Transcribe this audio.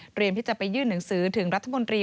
ที่จะไปยื่นหนังสือถึงรัฐมนตรี